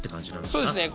そうですね。